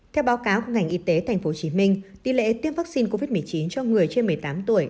theo báo cáo của ngành y tế tp hcm tỷ lệ tiêm vaccine covid một mươi chín cho người trên một mươi tám tuổi